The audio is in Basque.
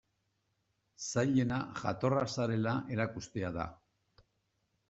Zailena jatorra zarela erakustea da.